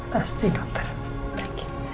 pasti dokter thank you